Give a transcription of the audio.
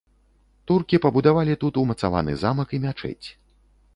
Туркі пабудавалі тут умацаваны замак і мячэць.